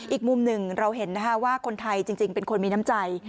อีกมุมหนึ่งเราเห็นนะคะว่าคนไทยจริงเป็นคนมีน้ำใจ